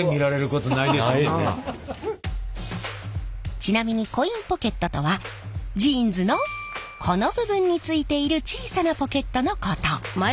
ちなみにコインポケットとはジーンズのこの部分についている小さなポケットのこと。